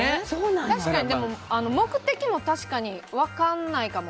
確かに目的も分かんないかも。